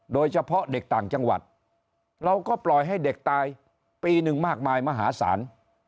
โดยเฉพาะเด็กต่างจังหวัดเราก็ปล่อยให้เด็กตายปีหนึ่งมากมายมหาศาล